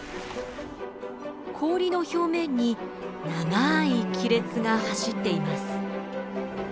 氷の表面に長い亀裂が走っています。